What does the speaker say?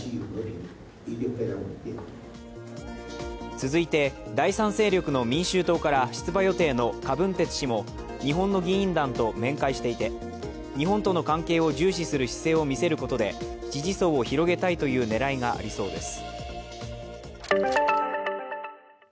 続いて第３勢力の民衆党から出馬予定の柯文哲氏も日本の議員団と面会していて日本との関係を重視する姿勢を見せることで支持層を広げたいという狙いがありそうです。